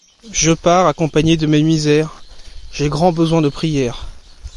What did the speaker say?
Je pars accompagné de mes misères, j'ai grand besoin de prières.